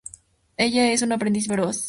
Ella es un aprendiz voraz.